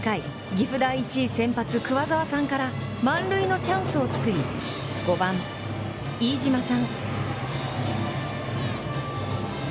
岐阜第一、先発桑澤さんから、満塁のチャンスを作り、５番飯嶋さん。